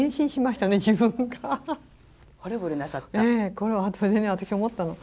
これは本当にね私思ったの。